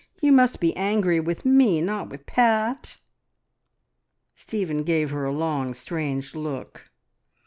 You must be angry with me, not with Pat." Stephen gave her a long, strange look.